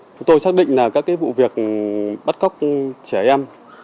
chúng tôi xác định là các vụ việc bắt cóc trẻ em